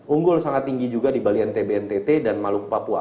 unggul sangat tinggi juga di balian tbntt dan maluk papua